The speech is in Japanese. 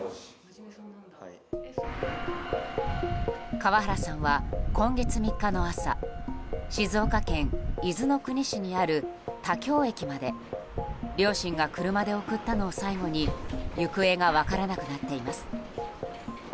川原さんは今月３日の朝静岡県伊豆の国市にある田京駅まで両親が車で送ったのを最後に行方が分からなくなっています。